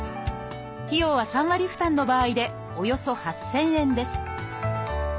費用は３割負担の場合でおよそ８，０００円です